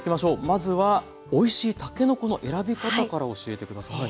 まずはおいしいたけのこの選び方から教えてください。